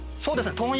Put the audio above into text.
そうですね。